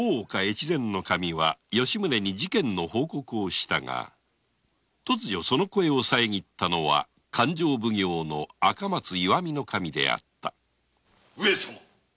越前守は吉宗に事件の報告をしたが突如その声をさえぎったのは勘定奉行・赤松石見守であった上様。